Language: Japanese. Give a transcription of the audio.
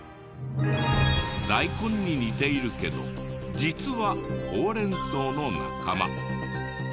ダイコンに似ているけど実はホウレン草の仲間。